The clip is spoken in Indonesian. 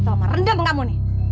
kalau mama rendam kamu nih